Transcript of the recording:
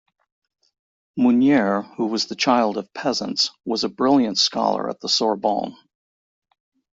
Mounier, who was the child of peasants, was a brilliant scholar at the Sorbonne.